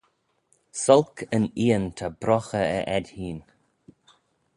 S'olk yn eean ta broghey e edd hene